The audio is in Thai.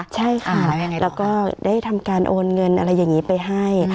ใช่ค่ะแล้วก็ได้ทำการโอนเงินอะไรอย่างนี้ไปให้